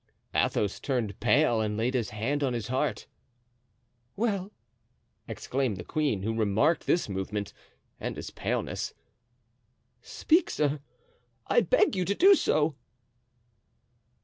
Athos turned pale and laid his hand on his heart. "Well!" exclaimed the queen, who remarked this movement and his paleness. "Speak, sir! I beg you to do so."